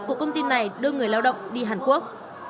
của công ty này đưa người lao động đi hàn quốc